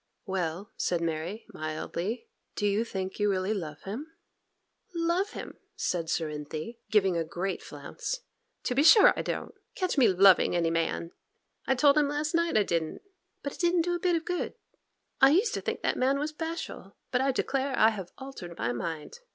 'Well,' said Mary, mildly; 'do you think you really love him?' 'Love him,' said Cerinthy, giving a great flounce, 'to be sure I don't—catch me loving any man. I told him last night I didn't, but it didn't do a bit of good. I used to think that man was bashful, but I declare I have altered my mind.